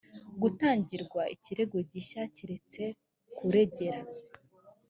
gutangirwa ikirego gishya keretse kuregera